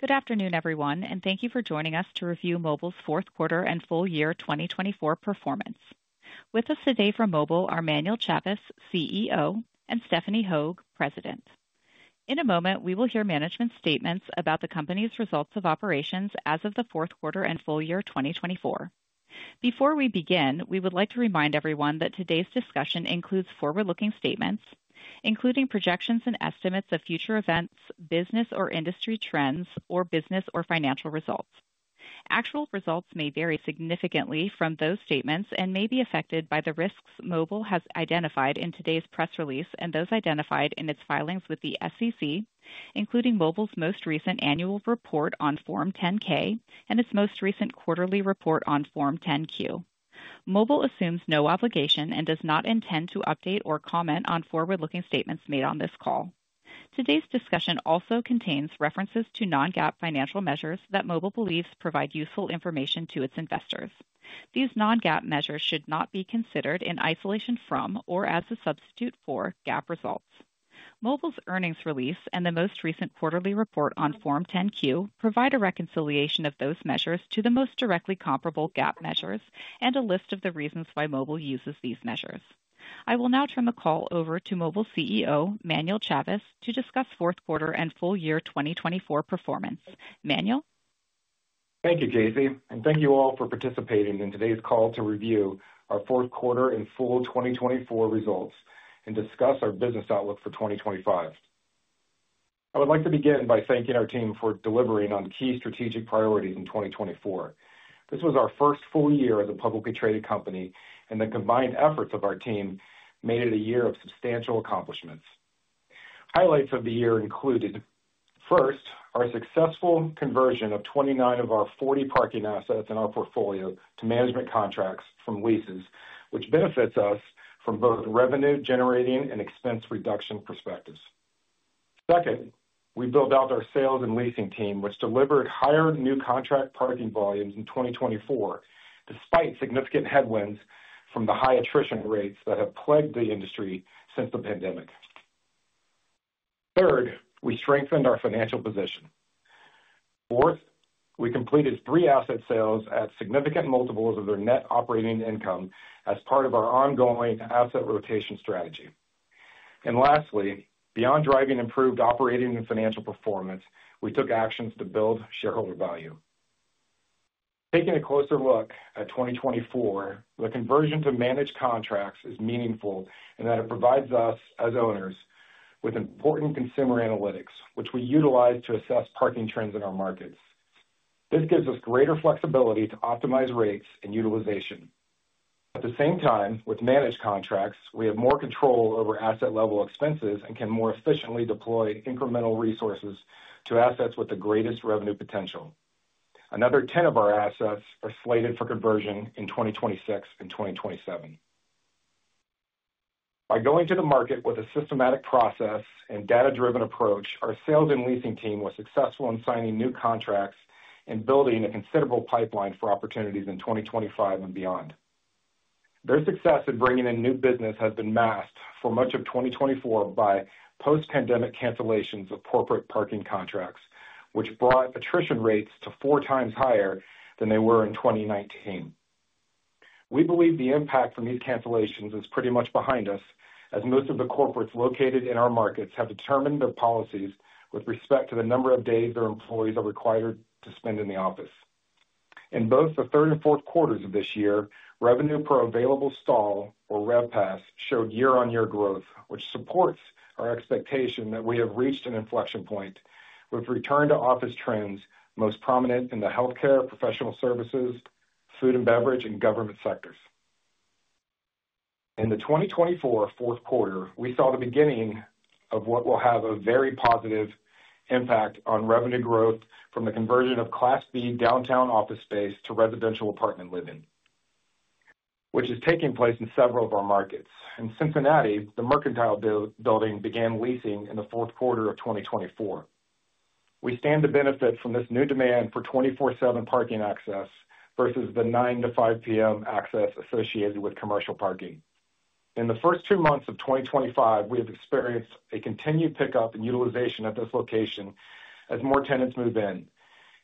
Good afternoon, everyone, and thank you for joining us to review Mobile Infrastructure Corporation's fourth quarter and full year 2024 performance. With us today from Mobile Infrastructure Corporation are Manuel Chavez, CEO, and Stephanie Hogue, President. In a moment, we will hear management statements about the company's results of operations as of the fourth quarter and full year 2024. Before we begin, we would like to remind everyone that today's discussion includes forward-looking statements, including projections and estimates of future events, business or industry trends, or business or financial results. Actual results may vary significantly from those statements and may be affected by the risks Mobile Infrastructure Corporation has identified in today's press release and those identified in its filings with the U.S. Securities and Exchange Commission, including Mobile Infrastructure Corporation's most recent annual report on Form 10-K and its most recent quarterly report on Form 10-Q. Mobile assumes no obligation and does not intend to update or comment on forward-looking statements made on this call. Today's discussion also contains references to non-GAAP financial measures that Mobile believes provide useful information to its investors. These non-GAAP measures should not be considered in isolation from or as a substitute for GAAP results. Mobile's earnings release and the most recent quarterly report on Form 10-Q provide a reconciliation of those measures to the most directly comparable GAAP measures and a list of the reasons why Mobile uses these measures. I will now turn the call over to Mobile CEO, Manuel Chavez, to discuss fourth quarter and full year 2024 performance. Manuel? Thank you, Casey. Thank you all for participating in today's call to review our fourth quarter and full 2024 results and discuss our business outlook for 2025. I would like to begin by thanking our team for delivering on key strategic priorities in 2024. This was our first full year as a publicly traded company, and the combined efforts of our team made it a year of substantial accomplishments. Highlights of the year included, first, our successful conversion of 29 of our 40 parking assets in our portfolio to management contracts from leases, which benefits us from both revenue-generating and expense-reduction perspectives. Second, we built out our sales and leasing team, which delivered higher new contract parking volumes in 2024, despite significant headwinds from the high attrition rates that have plagued the industry since the pandemic. Third, we strengthened our financial position. Fourth, we completed three asset sales at significant multiples of their net operating income as part of our ongoing asset rotation strategy. Lastly, beyond driving improved operating and financial performance, we took actions to build shareholder value. Taking a closer look at 2024, the conversion to managed contracts is meaningful in that it provides us, as owners, with important consumer analytics, which we utilize to assess parking trends in our markets. This gives us greater flexibility to optimize rates and utilization. At the same time, with managed contracts, we have more control over asset-level expenses and can more efficiently deploy incremental resources to assets with the greatest revenue potential. Another 10 of our assets are slated for conversion in 2026 and 2027. By going to the market with a systematic process and data-driven approach, our sales and leasing team was successful in signing new contracts and building a considerable pipeline for opportunities in 2025 and beyond. Their success in bringing in new business has been masked for much of 2024 by post-pandemic cancellations of corporate parking contracts, which brought attrition rates to four times higher than they were in 2019. We believe the impact from these cancellations is pretty much behind us, as most of the corporates located in our markets have determined their policies with respect to the number of days their employees are required to spend in the office. In both the third and fourth quarters of this year, revenue per available stall, or RevPAS, showed year-on-year growth, which supports our expectation that we have reached an inflection point with return-to-office trends most prominent in the healthcare, professional services, food and beverage, and government sectors. In the 2024 fourth quarter, we saw the beginning of what will have a very positive impact on revenue growth from the conversion of Class B downtown office space to residential apartment living, which is taking place in several of our markets. In Cincinnati, the Mercantile Building began leasing in the fourth quarter of 2024. We stand to benefit from this new demand for 24/7 parking access versus the 9:00 A.M. to 5:00 P.M. access associated with commercial parking. In the first two months of 2025, we have experienced a continued pickup in utilization at this location as more tenants move in,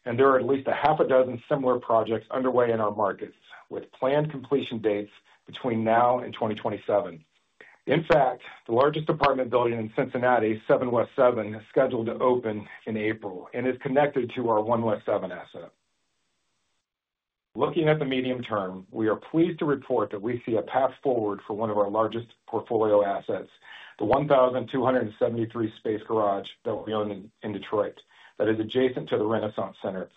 and there are at least a half a dozen similar projects underway in our markets with planned completion dates between now and 2027. In fact, the largest apartment building in Cincinnati, 7 West 7, is scheduled to open in April and is connected to our 1 West 7 asset. Looking at the medium term, we are pleased to report that we see a path forward for one of our largest portfolio assets, the 1,273 space garage that we own in Detroit that is adjacent to the Renaissance Center,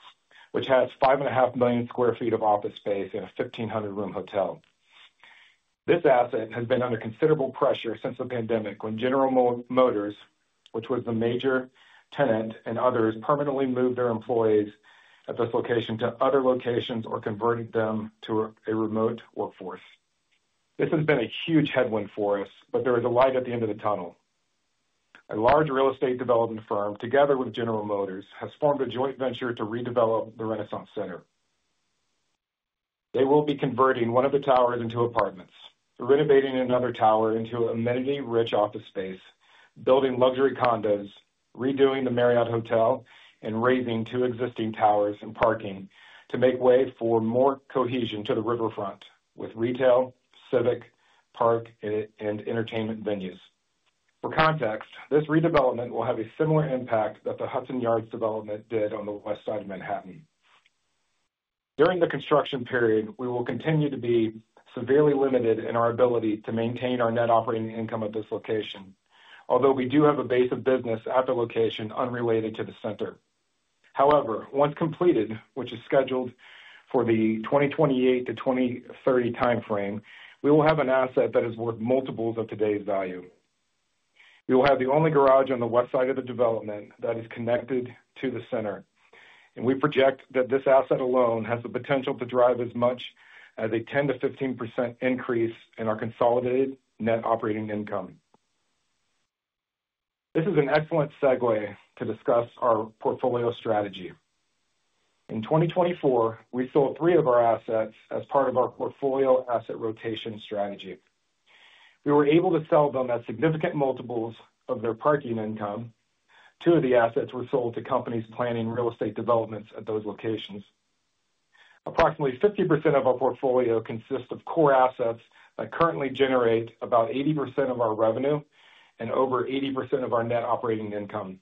which has 5.5 million sq ft of office space and a 1,500-room hotel. This asset has been under considerable pressure since the pandemic when General Motors, which was the major tenant, and others permanently moved their employees at this location to other locations or converted them to a remote workforce. This has been a huge headwind for us, but there is a light at the end of the tunnel. A large real estate development firm, together with General Motors, has formed a joint venture to redevelop the Renaissance Center. They will be converting one of the towers into apartments, renovating another tower into amenity-rich office space, building luxury condos, redoing the Marriott Hotel, and razingtwo existing towers and parking to make way for more cohesion to the riverfront with retail, civic, park, and entertainment venues. For context, this redevelopment will have a similar impact that the Hudson Yards development did on the west side of Manhattan. During the construction period, we will continue to be severely limited in our ability to maintain our net operating income at this location, although we do have a base of business at the location unrelated to the center. However, once completed, which is scheduled for the 2028-2030 timeframe, we will have an asset that is worth multiples of today's value. We will have the only garage on the west side of the development that is connected to the center, and we project that this asset alone has the potential to drive as much as a 10-15% increase in our consolidated net operating income. This is an excellent segue to discuss our portfolio strategy. In 2024, we sold three of our assets as part of our portfolio asset rotation strategy. We were able to sell them at significant multiples of their parking income. Two of the assets were sold to companies planning real estate developments at those locations. Approximately 50% of our portfolio consists of core assets that currently generate about 80% of our revenue and over 80% of our net operating income.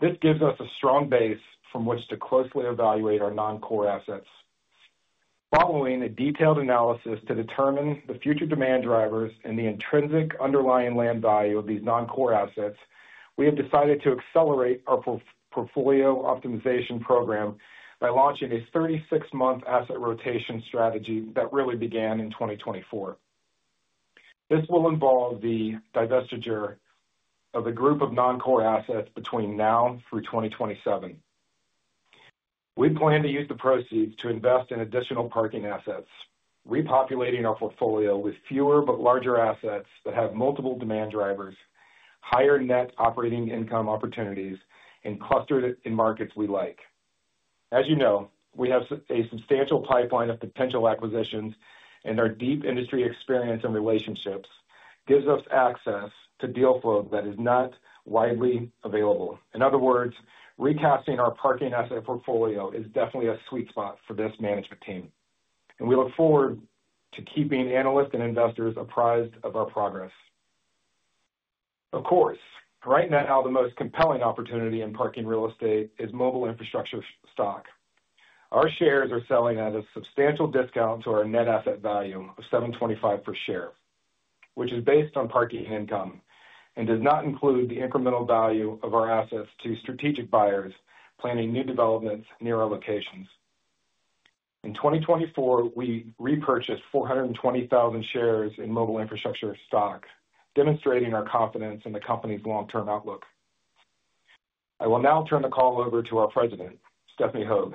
This gives us a strong base from which to closely evaluate our non-core assets. Following a detailed analysis to determine the future demand drivers and the intrinsic underlying land value of these non-core assets, we have decided to accelerate our portfolio optimization program by launching a 36-month asset rotation strategy that really began in 2024. This will involve the divestiture of a group of non-core assets between now through 2027. We plan to use the proceeds to invest in additional parking assets, repopulating our portfolio with fewer but larger assets that have multiple demand drivers, higher net operating income opportunities, and clustered in markets we like. As you know, we have a substantial pipeline of potential acquisitions, and our deep industry experience and relationships give us access to deal flow that is not widely available. In other words, recasting our parking asset portfolio is definitely a sweet spot for this management team, and we look forward to keeping analysts and investors apprised of our progress. Of course, right now, the most compelling opportunity in parking real estate is Mobile Infrastructure stock. Our shares are selling at a substantial discount to our net asset value of $7.25 per share, which is based on parking income and does not include the incremental value of our assets to strategic buyers planning new developments near our locations. In 2024, we repurchased 420,000 shares in Mobile Infrastructure stock, demonstrating our confidence in the company's long-term outlook. I will now turn the call over to our President, Stephanie Hogue,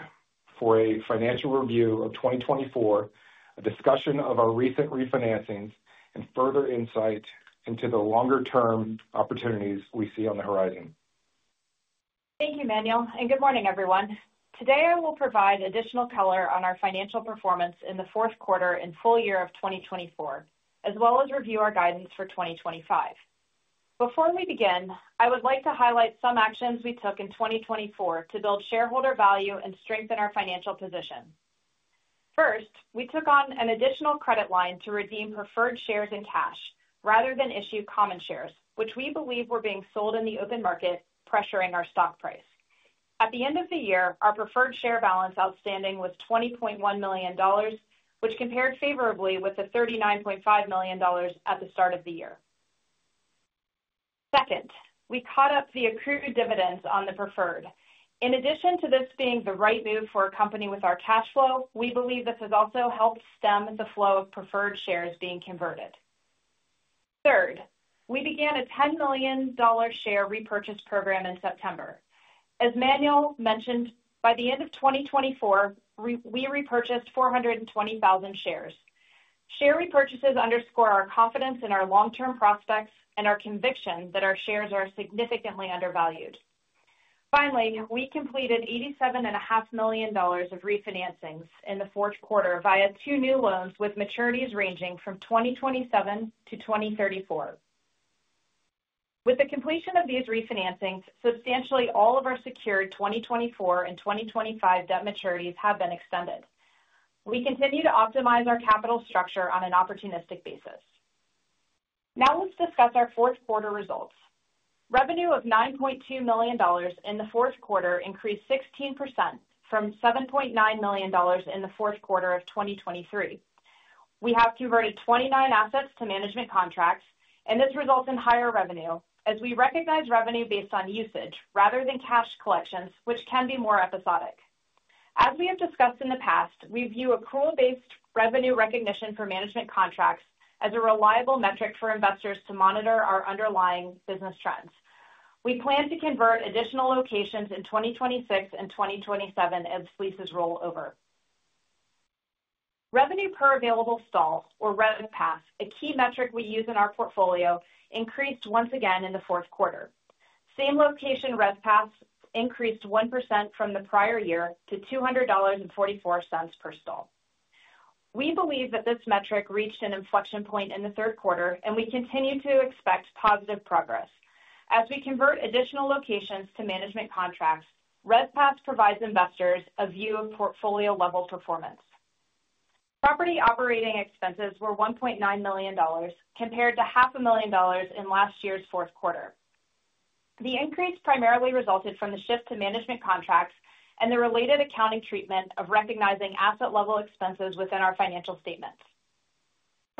for a financial review of 2024, a discussion of our recent refinancings, and further insight into the longer-term opportunities we see on the horizon. Thank you, Manuel. Good morning, everyone. Today, I will provide additional color on our financial performance in the fourth quarter and full year of 2024, as well as review our guidance for 2025. Before we begin, I would like to highlight some actions we took in 2024 to build shareholder value and strengthen our financial position. First, we took on an additional credit line to redeem preferred shares in cash rather than issue common shares, which we believe were being sold in the open market, pressuring our stock price. At the end of the year, our preferred share balance outstanding was $20.1 million, which compared favorably with the $39.5 million at the start of the year. Second, we caught up the accrued dividends on the preferred. In addition to this being the right move for a company with our cash flow, we believe this has also helped stem the flow of preferred shares being converted. Third, we began a $10 million share repurchase program in September. As Manuel mentioned, by the end of 2024, we repurchased 420,000 shares. Share repurchases underscore our confidence in our long-term prospects and our conviction that our shares are significantly undervalued. Finally, we completed $87.5 million of refinancings in the fourth quarter via two new loans with maturities ranging from 2027 to 2034. With the completion of these refinancings, substantially all of our secured 2024 and 2025 debt maturities have been extended. We continue to optimize our capital structure on an opportunistic basis. Now let's discuss our fourth quarter results. Revenue of $9.2 million in the fourth quarter increased 16% from $7.9 million in the fourth quarter of 2023. We have converted 29 assets to management contracts, and this results in higher revenue as we recognize revenue based on usage rather than cash collections, which can be more episodic. As we have discussed in the past, we view accrual-based revenue recognition for management contracts as a reliable metric for investors to monitor our underlying business trends. We plan to convert additional locations in 2026 and 2027 as leases roll over. Revenue per available stall, or RevPAS, a key metric we use in our portfolio, increased once again in the fourth quarter. Same location RevPAS increased 1% from the prior year to $200.44 per stall. We believe that this metric reached an inflection point in the third quarter, and we continue to expect positive progress. As we convert additional locations to management contracts, RevPAS provides investors a view of portfolio-level performance. Property operating expenses were $1.9 million, compared to $500,000 in last year's fourth quarter. The increase primarily resulted from the shift to management contracts and the related accounting treatment of recognizing asset-level expenses within our financial statements.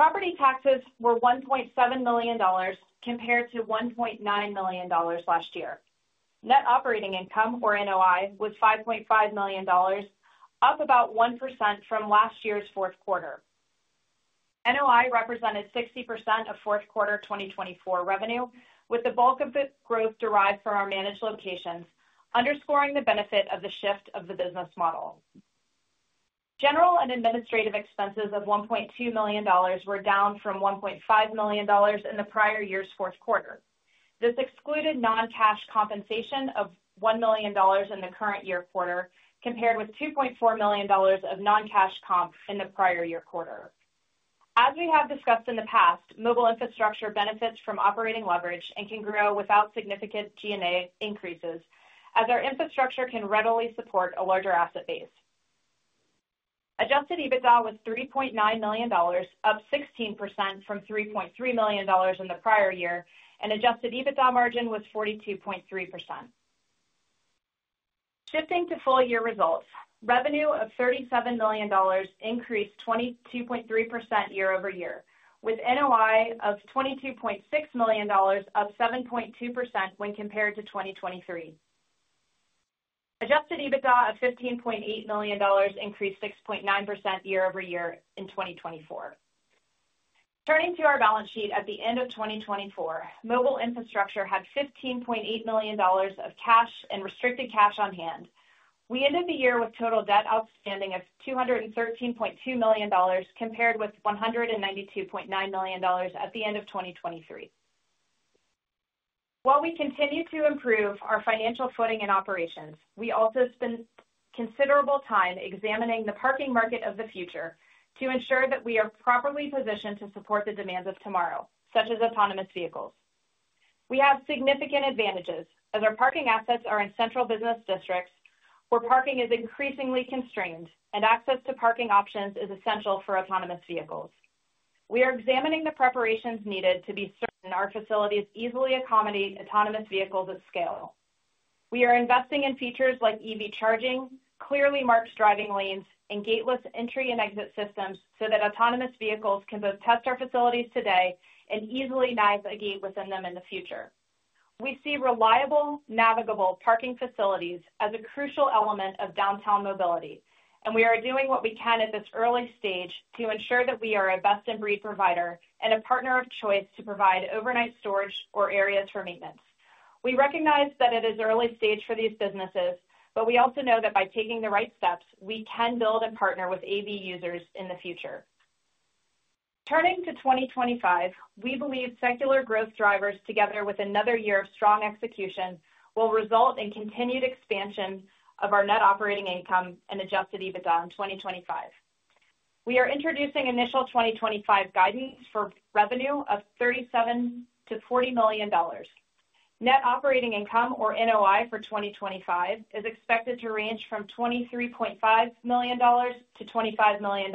Property taxes were $1.7 million compared to $1.9 million last year. Net operating income, or NOI, was $5.5 million, up about 1% from last year's fourth quarter. NOI represented 60% of fourth quarter 2024 revenue, with the bulk of the growth derived from our managed locations, underscoring the benefit of the shift of the business model. General and administrative expenses of $1.2 million were down from $1.5 million in the prior year's fourth quarter. This excluded non-cash compensation of $1 million in the current year quarter, compared with $2.4 million of non-cash comp in the prior year quarter. As we have discussed in the past, Mobile Infrastructure benefits from operating leverage and can grow without significant G&A increases, as our infrastructure can readily support a larger asset base. Adjusted EBITDA was $3.9 million, up 16% from $3.3 million in the prior year, and Adjusted EBITDA margin was 42.3%. Shifting to full year results, revenue of $37 million increased 22.3% year over year, with NOI of $22.6 million, up 7.2% when compared to 2023. Adjusted EBITDA of $15.8 million increased 6.9% year over year in 2024. Turning to our balance sheet at the end of 2024, Mobile Infrastructure had $15.8 million of cash and restricted cash on hand. We ended the year with total debt outstanding of $213.2 million, compared with $192.9 million at the end of 2023. While we continue to improve our financial footing and operations, we also spend considerable time examining the parking market of the future to ensure that we are properly positioned to support the demands of tomorrow, such as autonomous vehicles. We have significant advantages as our parking assets are in central business districts where parking is increasingly constrained and access to parking options is essential for autonomous vehicles. We are examining the preparations needed to be certain our facilities easily accommodate autonomous vehicles at scale. We are investing in features like EV charging, clearly marked driving lanes, and gate-less entry and exit systems so that autonomous vehicles can both test our facilities today and easily navigate within them in the future. We see reliable, navigable parking facilities as a crucial element of downtown mobility, and we are doing what we can at this early stage to ensure that we are a best-in-breed provider and a partner of choice to provide overnight storage or areas for maintenance. We recognize that it is early stage for these businesses, but we also know that by taking the right steps, we can build and partner with AV users in the future. Turning to 2025, we believe secular growth drivers, together with another year of strong execution, will result in continued expansion of our net operating income and Adjusted EBITDA in 2025. We are introducing initial 2025 guidance for revenue of $37-$40 million. Net operating income, or NOI, for 2025 is expected to range from $23.5 million-$25 million,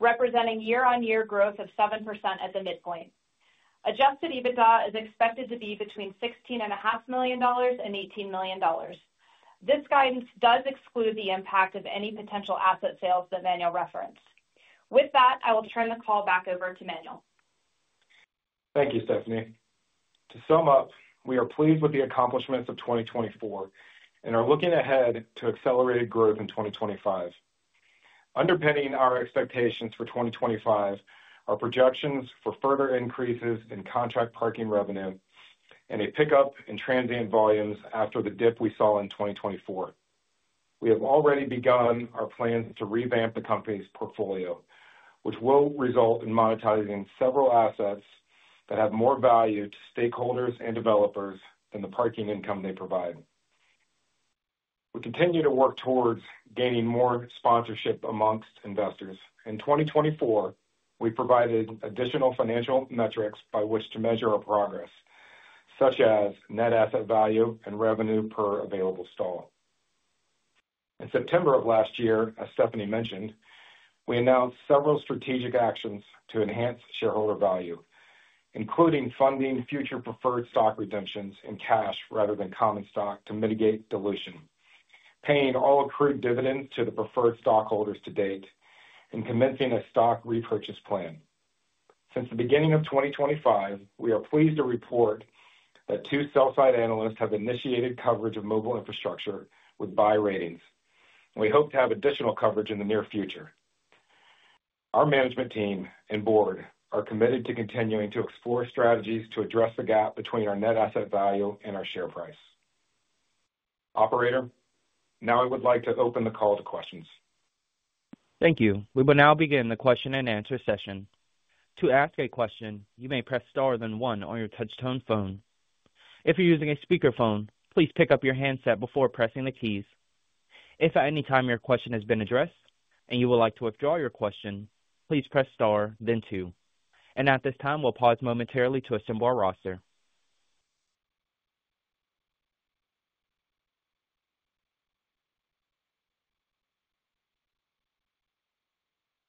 representing year on year growth of 7% at the midpoint. Adjusted EBITDA is expected to be between $16.5 million and $18 million. This guidance does exclude the impact of any potential asset sales that Manuel referenced. With that, I will turn the call back over to Manuel. Thank you, Stephanie. To sum up, we are pleased with the accomplishments of 2024 and are looking ahead to accelerated growth in 2025. Underpinning our expectations for 2025 are projections for further increases in contract parking revenue and a pickup in transient volumes after the dip we saw in 2024. We have already begun our plans to revamp the company's portfolio, which will result in monetizing several assets that have more value to stakeholders and developers than the parking income they provide. We continue to work towards gaining more sponsorship amongst investors. In 2024, we provided additional financial metrics by which to measure our progress, such as net asset value and revenue per available stall. In September of last year, as Stephanie mentioned, we announced several strategic actions to enhance shareholder value, including funding future preferred stock redemptions in cash rather than common stock to mitigate dilution, paying all accrued dividends to the preferred stockholders to date, and commencing a stock repurchase plan. Since the beginning of 2025, we are pleased to report that two sell-side analysts have initiated coverage of Mobile Infrastructure with buy ratings, and we hope to have additional coverage in the near future. Our management team and board are committed to continuing to explore strategies to address the gap between our net asset value and our share price. Operator, now I would like to open the call to questions. Thank you. We will now begin the question-and-answer session. To ask a question, you may press star then one on your touch-tone phone. If you're using a speakerphone, please pick up your handset before pressing the keys. If at any time your question has been addressed and you would like to withdraw your question, please press star then two. At this time, we'll pause momentarily to assemble our roster.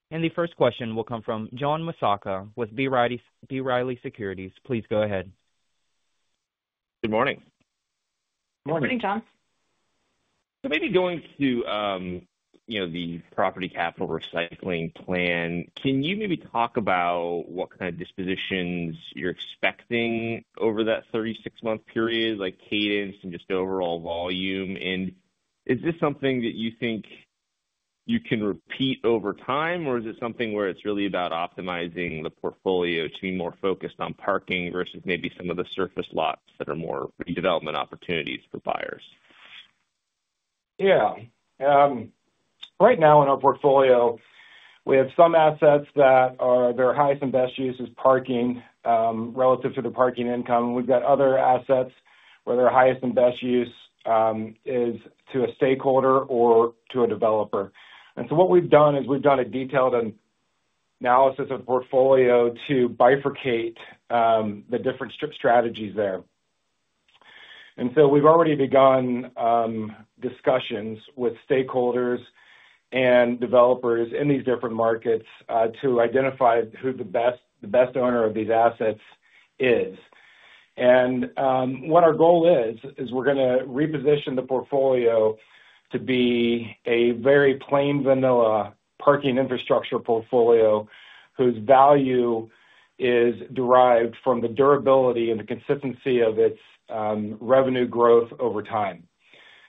The first question will come from John Massocca with B. Riley Securities. Please go ahead. Good morning. Good morning, John. Maybe going to the property capital recycling plan, can you maybe talk about what kind of dispositions you're expecting over that 36-month period, like cadence and just overall volume? Is this something that you think you can repeat over time, or is it something where it's really about optimizing the portfolio to be more focused on parking versus maybe some of the surface lots that are more redevelopment opportunities for buyers? Yeah. Right now, in our portfolio, we have some assets that are their highest and best use is parking relative to the parking income. We've got other assets where their highest and best use is to a stakeholder or to a developer. What we've done is we've done a detailed analysis of the portfolio to bifurcate the different strategies there. We've already begun discussions with stakeholders and developers in these different markets to identify who the best owner of these assets is. What our goal is, is we're going to reposition the portfolio to be a very plain vanilla parking infrastructure portfolio whose value is derived from the durability and the consistency of its revenue growth over time.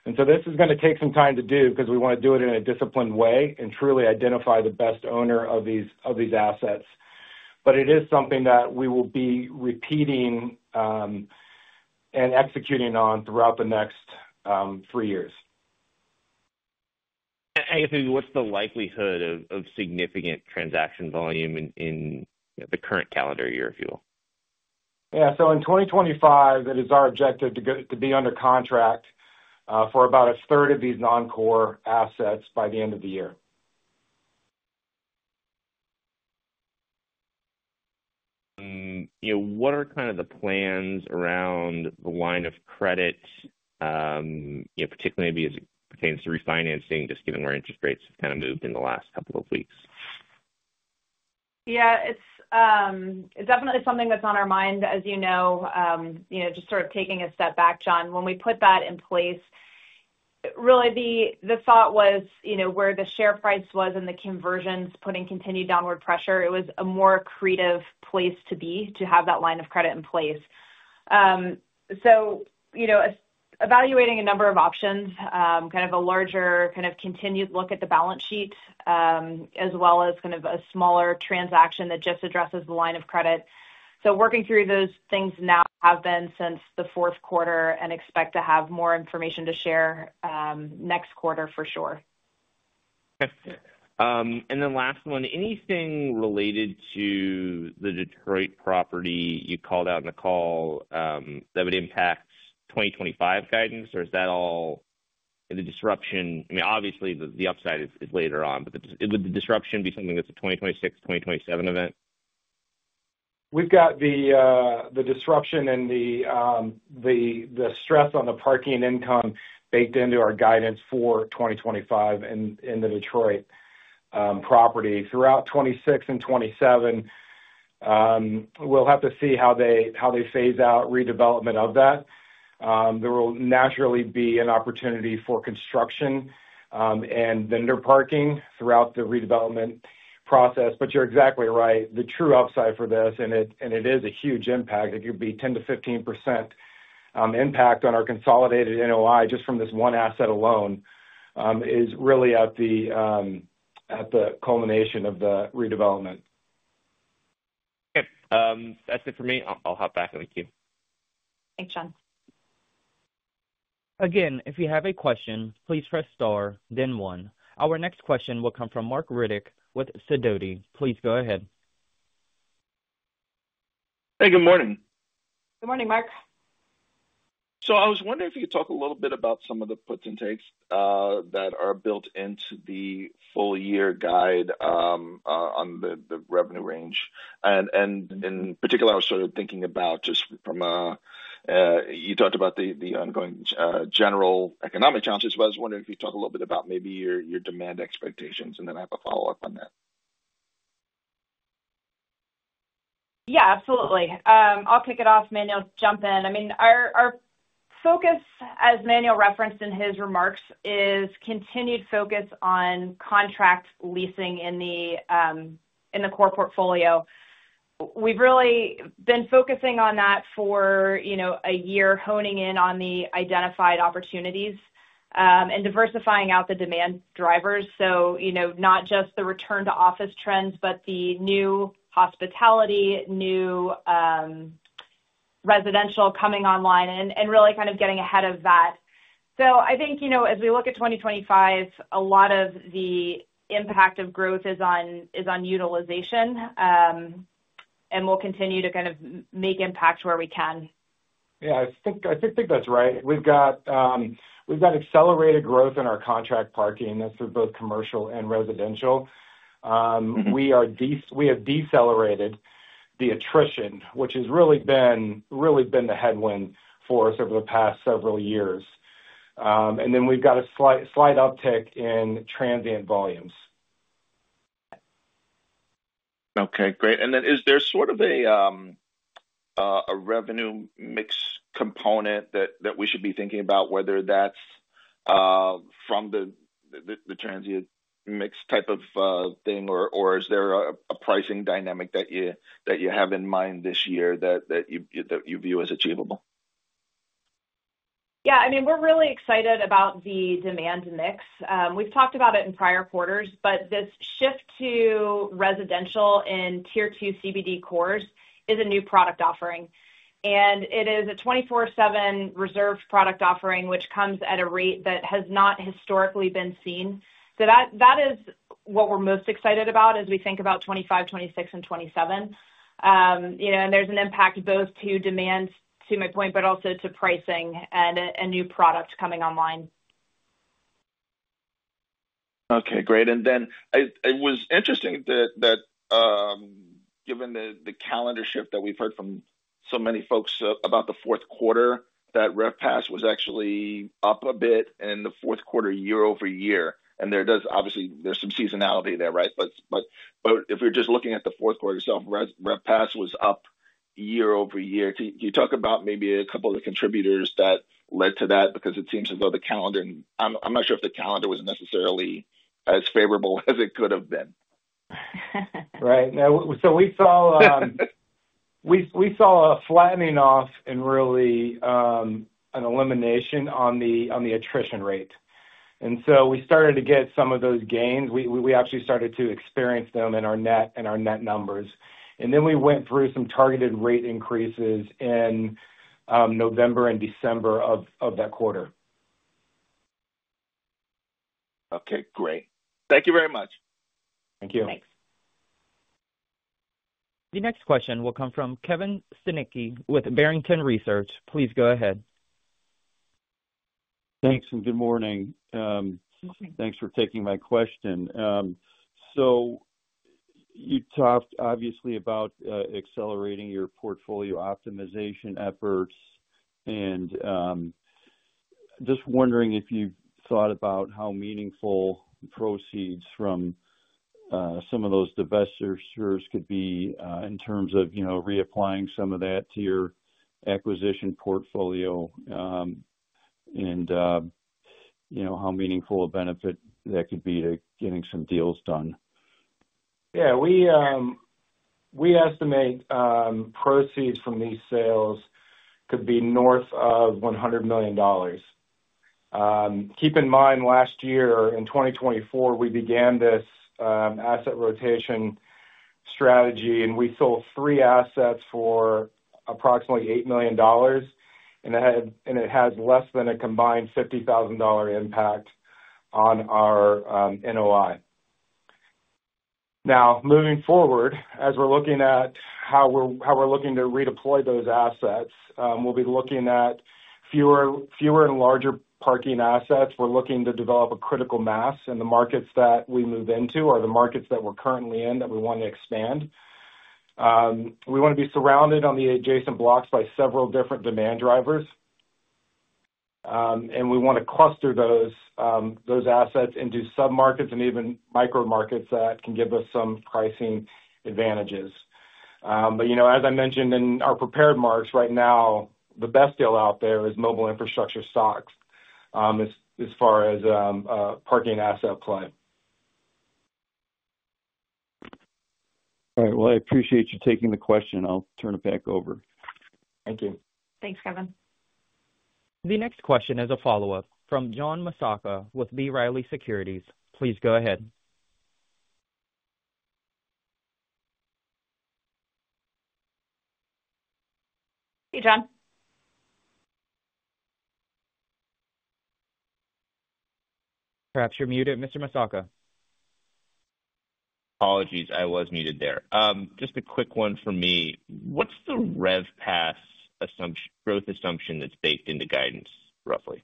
This is going to take some time to do because we want to do it in a disciplined way and truly identify the best owner of these assets. It is something that we will be repeating and executing on throughout the next three years. I guess maybe what's the likelihood of significant transaction volume in the current calendar year, if you will? Yeah. In 2025, it is our objective to be under contract for about a third of these non-core assets by the end of the year. What are kind of the plans around the line of credit, particularly maybe as it pertains to refinancing, just given where interest rates have kind of moved in the last couple of weeks? Yeah. It's definitely something that's on our mind, as you know. Just sort of taking a step back, John, when we put that in place, really the thought was where the share price was and the conversions putting continued downward pressure, it was a more creative place to be to have that line of credit in place. Evaluating a number of options, kind of a larger kind of continued look at the balance sheet as well as kind of a smaller transaction that just addresses the line of credit. Working through those things now have been since the fourth quarter and expect to have more information to share next quarter for sure. Okay. And then last one, anything related to the Detroit property you called out in the call that would impact 2025 guidance, or is that all the disruption? I mean, obviously, the upside is later on, but would the disruption be something that's a 2026, 2027 event? We've got the disruption and the stress on the parking income baked into our guidance for 2025 in the Detroit property. Throughout 2026 and 2027, we'll have to see how they phase out redevelopment of that. There will naturally be an opportunity for construction and vendor parking throughout the redevelopment process. You're exactly right. The true upside for this, and it is a huge impact, it could be 10%-15% impact on our consolidated NOI just from this one asset alone, is really at the culmination of the redevelopment. Okay. That's it for me. I'll hop back. Thank you. Thanks, John. Again, if you have a question, please press star, then one. Our next question will come from Marc Riddick with Sidoti. Please go ahead. Hey, good morning. Good morning, Marc. I was wondering if you could talk a little bit about some of the puts and takes that are built into the full year guide on the revenue range. In particular, I was sort of thinking about just from you talked about the ongoing general economic challenges. I was wondering if you'd talk a little bit about maybe your demand expectations, and then I have a follow-up on that. Yeah, absolutely. I'll kick it off. Manuel, jump in. I mean, our focus, as Manuel referenced in his remarks, is continued focus on contract leasing in the core portfolio. We've really been focusing on that for a year, honing in on the identified opportunities and diversifying out the demand drivers. Not just the return-to-office trends, but the new hospitality, new residential coming online and really kind of getting ahead of that. I think as we look at 2025, a lot of the impact of growth is on utilization, and we'll continue to kind of make impact where we can. Yeah. I think that's right. We've got accelerated growth in our contract parking for both commercial and residential. We have decelerated the attrition, which has really been the headwind for us over the past several years. We have got a slight uptick in transient volumes. Great. Is there sort of a revenue mix component that we should be thinking about, whether that's from the transient mix type of thing, or is there a pricing dynamic that you have in mind this year that you view as achievable? Yeah. I mean, we're really excited about the demand mix. We've talked about it in prior quarters, but this shift to residential in tier two CBD cores is a new product offering. It is a 24/7 reserved product offering, which comes at a rate that has not historically been seen. That is what we're most excited about as we think about 2025, 2026, and 2027. There's an impact both to demand, to my point, but also to pricing and a new product coming online. Okay. Great. It was interesting that given the calendar shift that we've heard from so many folks about the fourth quarter, that RevPAS was actually up a bit in the fourth quarter year over year. There does obviously, there's some seasonality there, right? If we're just looking at the fourth quarter itself, RevPAS was up year over year. Can you talk about maybe a couple of the contributors that led to that? It seems as though the calendar, I'm not sure if the calendar was necessarily as favorable as it could have been. Right. We saw a flattening off and really an elimination on the attrition rate. We started to get some of those gains. We actually started to experience them in our net numbers. We went through some targeted rate increases in November and December of that quarter. Okay. Great. Thank you very much. Thank you. Thanks. The next question will come from Kevin Steinke with Barrington Research. Please go ahead. Thanks. Good morning. Thanks for taking my question. You talked obviously about accelerating your portfolio optimization efforts. Just wondering if you've thought about how meaningful proceeds from some of those divestitures could be in terms of reapplying some of that to your acquisition portfolio and how meaningful a benefit that could be to getting some deals done. Yeah. We estimate proceeds from these sales could be north of $100 million. Keep in mind, last year in 2024, we began this asset rotation strategy, and we sold three assets for approximately $8 million. It has less than a combined $50,000 impact on our NOI. Now, moving forward, as we're looking at how we're looking to redeploy those assets, we'll be looking at fewer and larger parking assets. We're looking to develop a critical mass in the markets that we move into or the markets that we're currently in that we want to expand. We want to be surrounded on the adjacent blocks by several different demand drivers. We want to cluster those assets into sub-markets and even micro-markets that can give us some pricing advantages. As I mentioned in our prepared marks, right now, the best deal out there is Mobile Infrastructure Corporation stock as far as parking asset play. All right. I appreciate you taking the question. I'll turn it back over. Thank you. Thanks, Kevin. The next question is a follow-up from John Massocca with B. Riley Securities. Please go ahead. Hey, John. Perhaps you're muted, Mr. Massocca. Apologies. I was muted there. Just a quick one for me. What's the RevPAS growth assumption that's baked into guidance, roughly?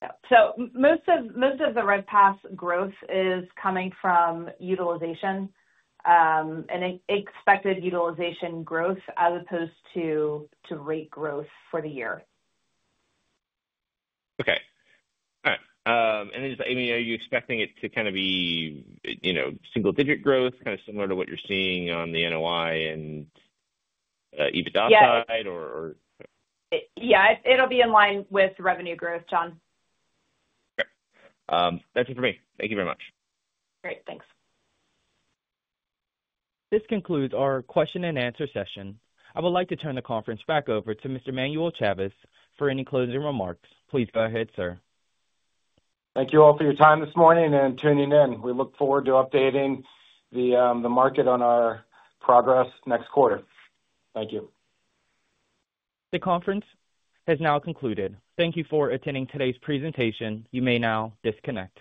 Most of the RevPAS growth is coming from utilization and expected utilization growth as opposed to rate growth for the year. Okay. All right. Are you expecting it to kind of be single-digit growth, kind of similar to what you're seeing on the NOI and EBITDA side, or? Yeah. It'll be in line with revenue growth, John. Okay. That's it for me. Thank you very much. Great. Thanks. This concludes our question-and-answer session. I would like to turn the conference back over to Mr. Manuel Chavez for any closing remarks. Please go ahead, sir. Thank you all for your time this morning and tuning in. We look forward to updating the market on our progress next quarter. Thank you. The conference has now concluded. Thank you for attending today's presentation. You may now disconnect.